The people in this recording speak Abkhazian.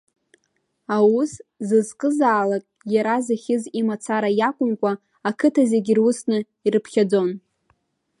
Аус зызкызаалак, иара зыхьыз имацара иакәымкәа, ақыҭа зегьы ирусны ирыԥхьаӡон.